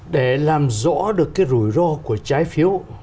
để làm rõ được cái rủi ro của trái phiếu